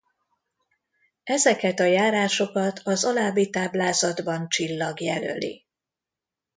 Ezeket a járásokat az alábbi táblázatban csillag jelöli.